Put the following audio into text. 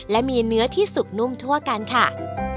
และมีเนื้อที่สุกนุ่มทั่วกันค่ะ